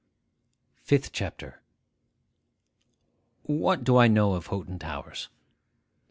FIFTH CHAPTER WHAT do I know of Hoghton Towers?